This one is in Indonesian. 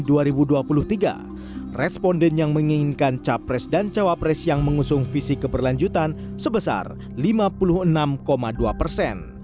di tahun dua ribu dua puluh tiga responden yang menginginkan capres dan cawapres yang mengusung visi keperlanjutan sebesar lima puluh enam dua persen